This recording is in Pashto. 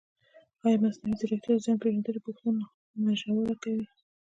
ایا مصنوعي ځیرکتیا د ځان پېژندنې پوښتنه نه ژوره کوي؟